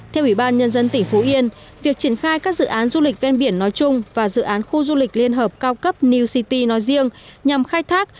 theo ủy ban nhân dân tỉnh phú yên việc triển khai các dự án du lịch ven biển nói chung và dự án khu du lịch liên hợp cao cấp new city nói riêng nhằm khai thác